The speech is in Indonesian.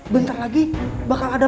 bentar lagi bakal ada